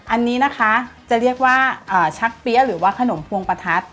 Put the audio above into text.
อันนี้นะคะจะเรียกว่าชักเปี๊ยะหรือว่าขนมพวงประทัด